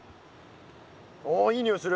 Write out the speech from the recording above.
おいいにおいする！